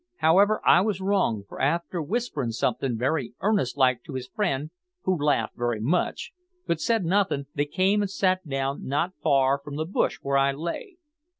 However, I was wrong, for after whisperin' somethin' very earnest like to his friend, who laughed very much; but said nothin', they came and sat down not far from the bush where I lay.